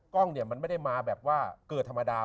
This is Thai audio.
กล้องมันไม่ได้มาเกิดธรรมดา